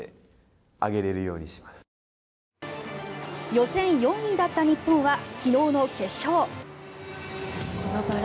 予選４位だった日本は昨日の決勝。